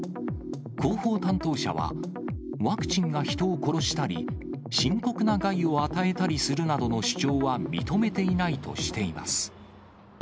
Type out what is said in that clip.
広報担当者は、ワクチンが人を殺したり、深刻な害を与えたりするなどの主張は認めていないとしています。